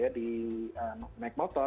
beberapa orang memakai helm dan memakai motor